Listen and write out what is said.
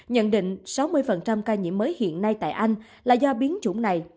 nhận định sáu mươi ca nhiễm mới hiện nay tại anh là do biến chủng này